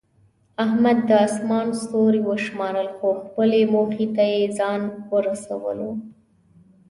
احمد د اسمان ستوري وشمارل، خو خپلې موخې ته یې ځان ورسولو.